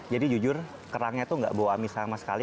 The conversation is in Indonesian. jadi jujur kerangnya tuh nggak bau amis sama sekali